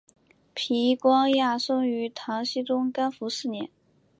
皮光业生于唐僖宗干符四年。